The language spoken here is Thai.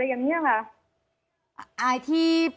ยายก็ยังแอบไปขายขนมแล้วก็ไปถามเพื่อนบ้านว่าเห็นไหมอะไรยังไง